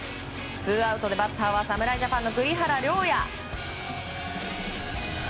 ツーアウトで、バッターは侍ジャパンの栗原陵矢。